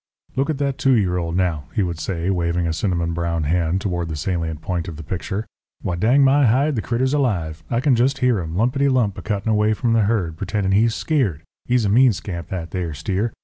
"Look at that two year old, now," he would say, waving a cinnamon brown hand toward the salient point of the picture. "Why, dang my hide, the critter's alive. I can jest hear him, 'lumpety lump,' a cuttin' away from the herd, pretendin' he's skeered. He's a mean scamp, that there steer.